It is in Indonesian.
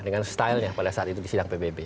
dengan stylenya pada saat itu di sidang pbb